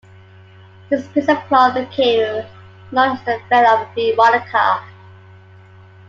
This piece of cloth became known as the Veil of Veronica.